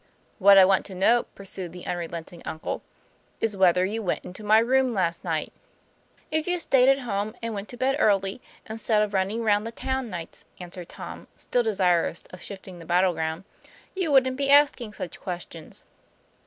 "What I want to know," pursued the unrelenting uncle," is, whether you went into my room last night." " If you stayed at home, and went to bed early, instead of running round the town nights," answered Tom, still desirous of shifting the battle ground, "you wouldn't be asking such questions."